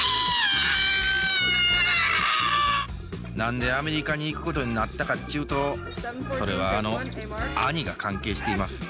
何でアメリカに行くことになったかっちゅうとそれはあの兄が関係しています。